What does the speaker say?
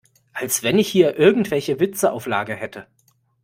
Als wenn ich hier irgendwelche Witze auf Lager hätte!